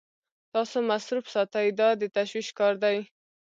تاسو مصروف ساتي دا د تشویش کار دی.